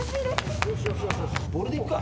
ボールでいくか。